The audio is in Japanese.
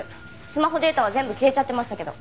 スマホデータは全部消えちゃってましたけど。